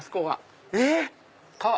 えっ⁉